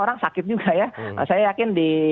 orang sakit juga ya saya yakin di